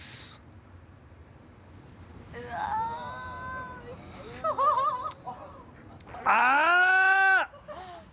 うわおいしそうああ！